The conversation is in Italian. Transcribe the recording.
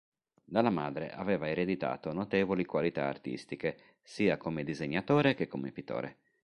Dalla madre aveva ereditato notevoli qualità artistiche, sia come disegnatore che come pittore.